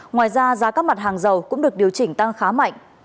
ngoài ra giá các mặt hàng dầu cũng được điều chỉnh tăng khá mạnh